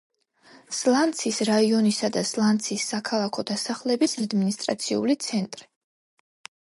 სლანცის რაიონისა და სლანცის საქალაქო დასახლების ადმინისტრაციული ცენტრი.